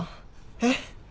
えっ！？